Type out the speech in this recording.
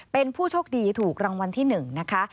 เป็นผู้โชคดีถูกรางวัลที่๑นะคะ